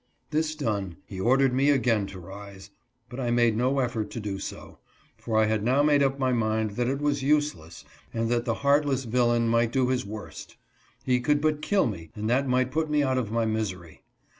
This done, he ordered me again to rise, but I made no effort to do so, for I had now made up my mind that it was useless and that the heartless villain might do his worst. He could but kill me and that might put me out of my misery.